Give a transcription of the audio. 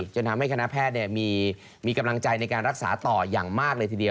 จนทำให้คณะแพทย์มีกำลังใจในการรักษาต่ออย่างมากเลยทีเดียว